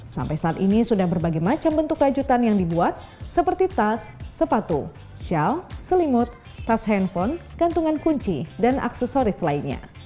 sampai saat ini sudah berbagai macam bentuk kelanjutan yang dibuat seperti tas sepatu shell selimut tas handphone gantungan kunci dan aksesoris lainnya